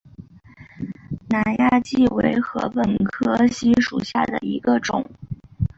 南亚稷为禾本科黍属下的一个种。